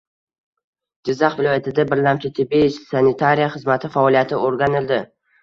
Jizzax viloyatida birlamchi tibbiy sanitariya xizmati faoliyati o‘rganildi